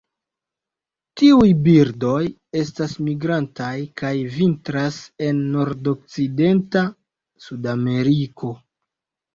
Tiuj birdoj estas migrantaj kaj vintras en nordokcidenta Sudameriko.